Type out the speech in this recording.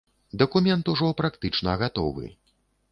Дакумент ужо практычна гатовы.